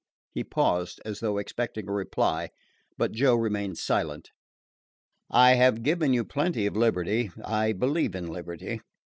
He paused, as though expecting a reply; but Joe remained silent. "I have given you plenty of liberty. I believe in liberty.